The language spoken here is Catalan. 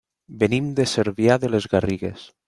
Venim de Cervià de les Garrigues.